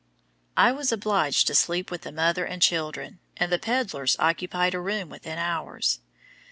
I was obliged to sleep with the mother and children, and the pedlars occupied a room within ours.